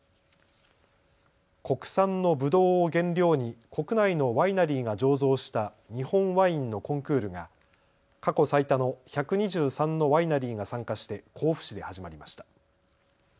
国産のぶどうを原料に国内のワイナリーが醸造した日本ワインのコンクールが過去最多の１２３のワイナリーが参加して甲府市で始まりました。